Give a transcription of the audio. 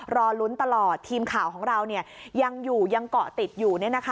รอลุ้นตลอดทีมข่าวของเรายังอยู่ยังเกาะติดอยู่